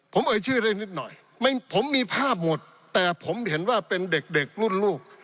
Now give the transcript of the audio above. ผมเอ่ยชื่อได้นิดหน่อยผมมีภาพหมดแต่ผมเห็นว่าเป็นเด็กเด็กรุ่นลูก